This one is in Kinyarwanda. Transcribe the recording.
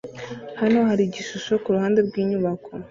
Hano hari igishusho kuruhande rwinyubako